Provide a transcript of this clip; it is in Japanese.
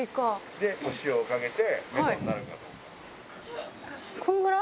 で、お塩をかけて、メロンにこのぐらい？